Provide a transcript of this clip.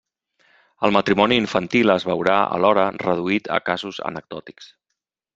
El matrimoni infantil es veurà alhora reduït a casos anecdòtics.